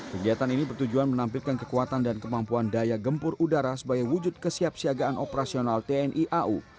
kegiatan ini bertujuan menampilkan kekuatan dan kemampuan daya gempur udara sebagai wujud kesiapsiagaan operasional tni au